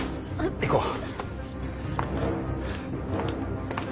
行こう。